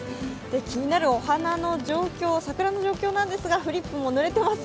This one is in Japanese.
気になるお花、桜の状況なんですがフリップもぬれてます。